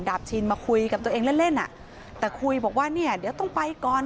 ชินมาคุยกับตัวเองเล่นเล่นอ่ะแต่คุยบอกว่าเนี่ยเดี๋ยวต้องไปก่อน